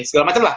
segala macem lah